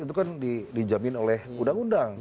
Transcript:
itu kan dijamin oleh undang undang